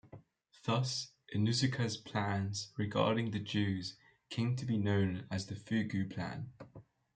Thus, Inuzuka's plans regarding the Jews came to be known as the Fugu Plan.